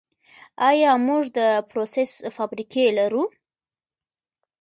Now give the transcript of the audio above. آیا موږ د پروسس فابریکې لرو؟